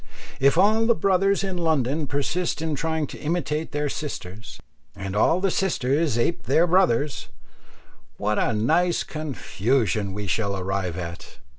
If all the brothers in London persist in trying to imitate their sisters, and all the sisters ape their brothers, what a nice confusion we shall arrive at!